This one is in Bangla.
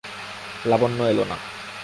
লাবণ্য এল না।